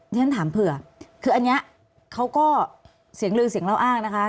ฉันถามเผื่อคืออันนี้เขาก็เสียงลือเสียงเล่าอ้างนะคะ